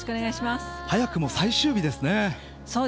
早くも最終日ですね。